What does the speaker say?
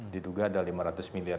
diduga ada lima ratus miliar